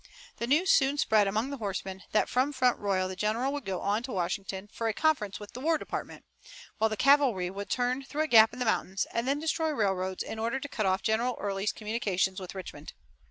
The news soon spread among the horsemen that from Front Royal the general would go on to Washington for a conference with the War Department, while the cavalry would turn through a gap in the mountains, and then destroy railroads in order to cut off General Early's communications with Richmond.